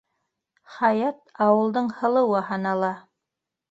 Хаят ауылдың һылыуы һанала.